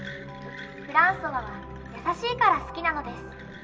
フランソワは優しいから好きなのです。